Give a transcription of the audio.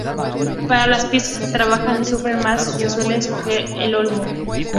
Para las piezas que trabajan y sufren más se suele escoger el olmo.